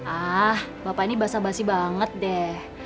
ah bapak ini basah basi banget deh